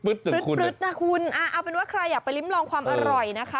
นะคุณเอาเป็นว่าใครอยากไปริ้มลองความอร่อยนะคะ